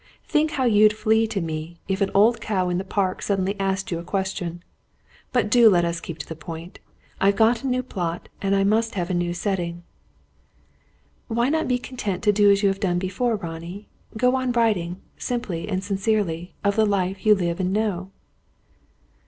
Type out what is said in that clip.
Think how you'd flee to me, if an old cow in the park suddenly asked you a question. But do let's keep to the point. I've got a new plot, and I must have a new setting." "Why not be content to do as you have done before, Ronnie; go on writing, simply and sincerely, of the life you live and know?"